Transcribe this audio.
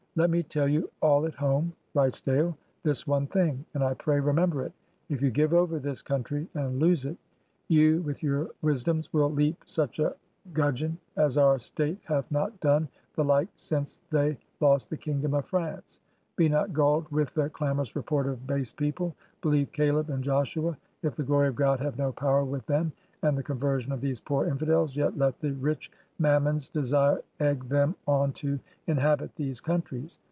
Let me tell you all at home [writes Dale] this one thing, and I pray remember it; if you give over this country and loose it, you, with your wisdoms, will leap such a gudgeon as our state hath not done the like since they lost the Kingdom of France; be not gulled with the clamorous report of base people; believe Cakb and Joshua; if the gloiy of God have no power with them and the conversion of these poor infidels, yet let the rich mammons' desire egge them on to inhabit these countries.